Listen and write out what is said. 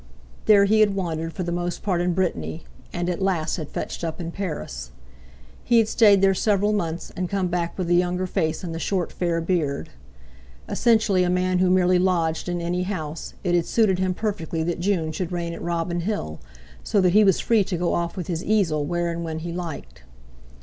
There he had wandered, for the most part in Brittany, and at last had fetched up in Paris. He had stayed there several months, and come back with the younger face and the short fair beard. Essentially a man who merely lodged in any house, it had suited him perfectly that June should reign at Robin Hill, so that he was free to go off with his easel where and when he liked.